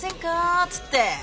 っつって。